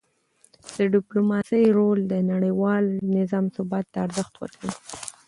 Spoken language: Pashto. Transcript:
د ډیپلوماسی رول د نړیوال نظام ثبات ته ارزښت ورکوي.